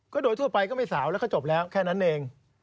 ก็โดยทั่วไปก็ไม่สาวแล้วก็จบแล้วแค่นั้นเอง